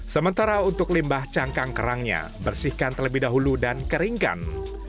sementara untuk limbah cangkang kerangnya bersihkan terlebih dahulu dan keringkan